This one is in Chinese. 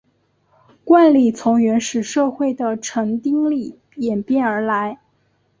冠礼从原始社会的成丁礼演变而来。